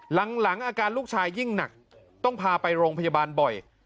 หลังอาการลูกชายยิ่งหนักต้องพาไปโรงพยาบาลบ่อย